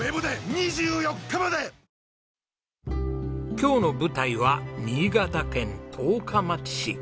今日の舞台は新潟県十日町市。